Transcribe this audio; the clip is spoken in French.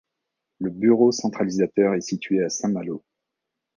Le bureau centralisateur est situé à Saint-Malo.